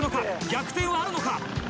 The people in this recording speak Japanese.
逆転はあるのか？